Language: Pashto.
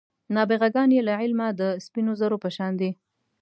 نابغه ګان بې له علمه د سپینو زرو په شان دي.